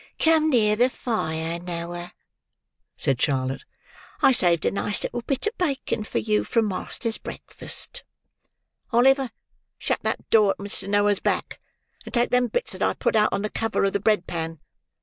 "Come near the fire, Noah," said Charlotte. "I saved a nice little bit of bacon for you from master's breakfast. Oliver, shut that door at Mister Noah's back, and take them bits that I've put out on the cover of the bread pan.